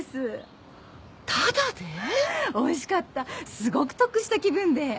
すごく得した気分で。